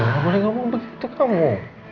kamu udah ngomong begitu kamu